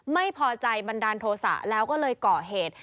ไม่พอใจบันดาลโทษะแล้วก็เลยก่อเหตุ